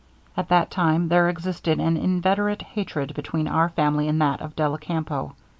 At that time there existed an inveterate hatred between our family and that of della Campo.